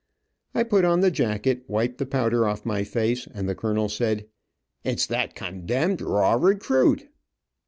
I put on the jacket, wiped the powder off my face, and the corporal said: "It's that condemned raw recruit."